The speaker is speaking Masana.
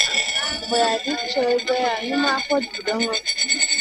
Vuladid cow gèh numaʼ hot vudoŋo.